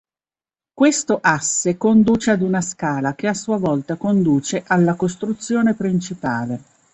Questo asse conduce ad una scala, che a sua volta conduce alla costruzione principale.